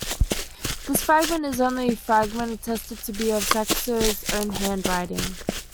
This fragment is the only fragment attested to be of Saxo's own handwriting.